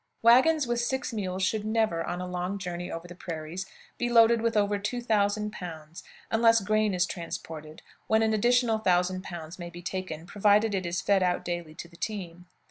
Wagons with six mules should never, on a long journey over the prairies, be loaded with over 2000 pounds, unless grain is transported, when an additional thousand pounds may be taken, provided it is fed out daily to the team.